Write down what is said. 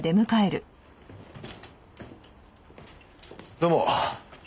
どうも。